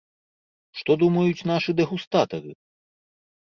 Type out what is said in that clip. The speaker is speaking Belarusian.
Што думаюць нашы дэгустатары?